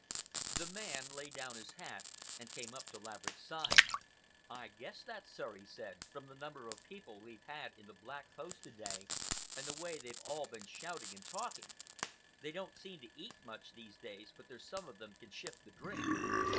The man laid down his hat and came up to Laverick's side. "I guess that, sir," he said, "from the number of people we've had in the 'Black Post' to day, and the way they've all been shouting and talking. They don't seem to eat much these days, but there's some of them can shift the drink."